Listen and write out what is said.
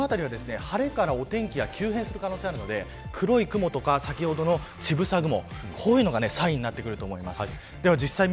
この当たりは晴れからお天気が急変する可能性があるので黒い雲とか先ほどの乳房雲がサインになってくると思います。